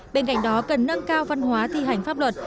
bên cạnh đó cần nâng cao văn hóa thi hành pháp luật